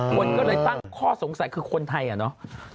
คนก็เลยตั้งข้อสงสัยคือคนไทยอ่ะเนาะ